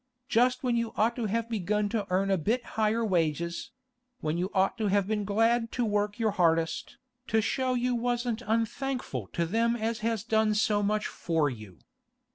Just when you ought to have begun to earn a bit higher wages—when you ought to have been glad to work your hardest, to show you wasn't unthankful to them as has done so much for you!